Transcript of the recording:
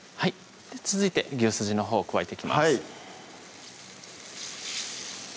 続いて牛すじのほう加えていきます